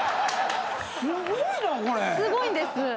すごいんです。